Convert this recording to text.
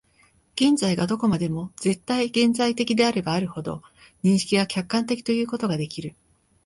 現在がどこまでも絶対現在的であればあるほど、認識が客観的ということができる。